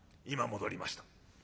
「今戻りました。